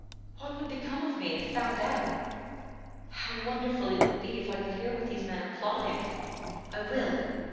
What would become of me if found out? How wonderful it would be if I could hear what these men are plotting. I will!"